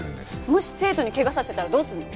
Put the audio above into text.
もし生徒に怪我させたらどうするの？